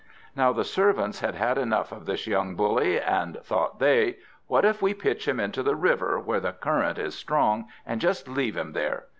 Now the servants had had enough of this young bully; and thought they, "What if we pitch him into the river, where the current is strong, and just leave him there!